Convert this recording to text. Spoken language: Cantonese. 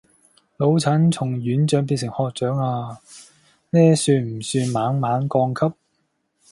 老陳從院長變成學長啊，呢算不算猛猛降級